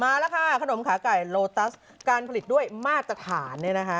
มาแล้วค่ะขนมขาไก่โลตัสการผลิตด้วยมาตรฐาน